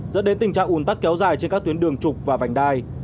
dẫn đến tình trạng ủn tắc kéo dài trên các tuyến đường trục và vành đai